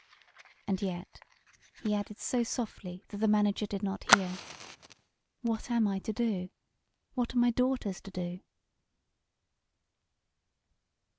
And yet," he added so softly that the manager did not hear "what am I to do? What are my daughters to do?"